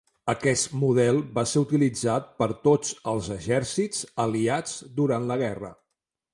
Aquest model va ser utilitzat per tots els exèrcits aliats durant la guerra.